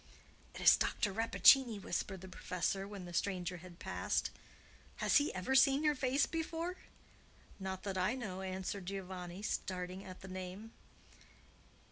"It is Dr. Rappaccini!" whispered the professor when the stranger had passed. "Has he ever seen your face before?" "Not that I know," answered Giovanni, starting at the name.